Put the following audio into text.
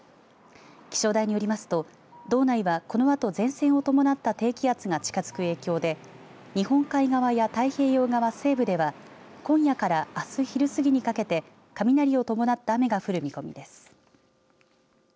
気象台によりますと道内は、このあと前線を伴った低気圧が近づく影響で日本海側や太平洋側西部では今夜からあす昼過ぎにかけて雷を伴った雨が降る見込みです。